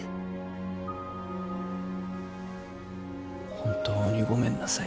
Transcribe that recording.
本当にごめんなさい。